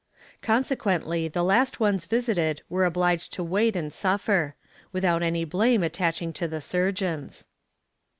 Consequently the last ones visited were obliged to wait and suffer without any blame attaching to the surgeons.